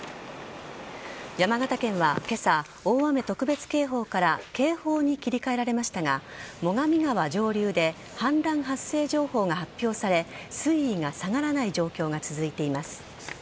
山形県は今朝大雨特別警報から警報に切り替えられましたが最上川上流で氾濫発生情報が発表され水位が下がらない状況が続いています。